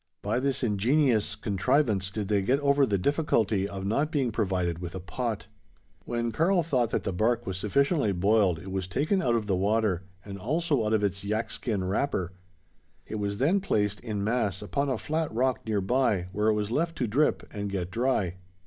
By this ingenious contrivance, did they get over the difficulty, of not being provided with a not. When Karl thought that the bark was sufficiently boiled, it was taken out of the water, and also out of its yak skin wrapper. It was then placed, in mass, upon a flat rock near by where it was left to drip and get dry.